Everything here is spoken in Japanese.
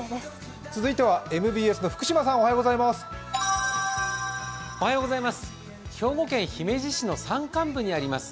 続いてはＭＢＳの福島さん、おはようございます。